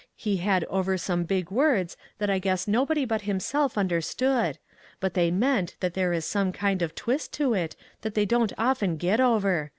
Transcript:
He had over some big words that I guess nobody but himself understood, but they meant that there is some kind of a twist to it that they don't often get over.